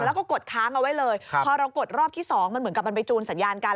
แล้วก็กดค้างเอาไว้เลยพอเรากดรอบที่สองมันเหมือนกับมันไปจูนสัญญาณกัน